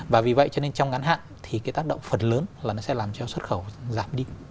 và vì vậy cho nên trong ngắn hạn thì cái tác động phần lớn là nó sẽ làm cho xuất khẩu giảm đi